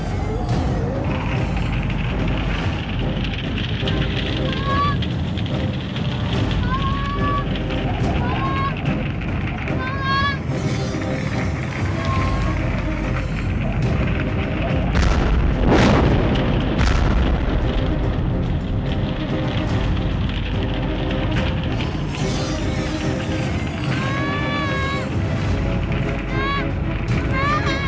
wah sok bunganya indah